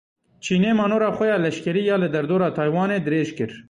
Çînê manora xwe ya leşkerî ya li derdora Taywanê dirêj kir.